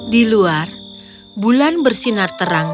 di luar bulan bersinar terang